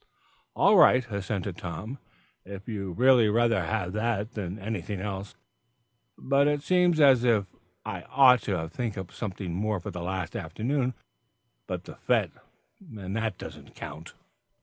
"All right," assented Tom, "if you'd really rather have that than anything else; but it seems as if I ought to think up something more for the last afternoon, but the fête; and that doesn't count."